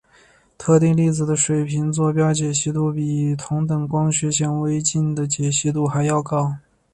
特定粒子的水平座标解析度比同等光学显微镜的解析度还要高。